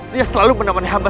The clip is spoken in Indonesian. dia selalu menemani hamba